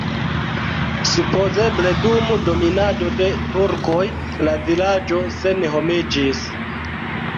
Supozeble dum dominado de turkoj la vilaĝo senhomiĝis.